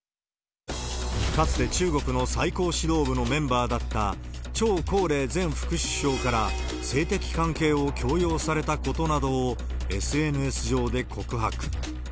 かつて、中国の最高指導部のメンバーだった張高麗前副首相から、性的関係を強要されたことなどをＳＮＳ上で告白。